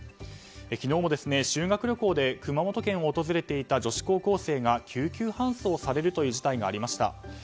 昨日も修学旅行で熊本県を訪れていた女子高校生が救急搬送される事態がありました。